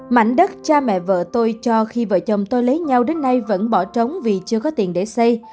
mảnh đất cha mẹ vợ tôi cho khi vợ chồng tôi lấy nhau đến nay vẫn bỏ trống vì chưa có tiền để xây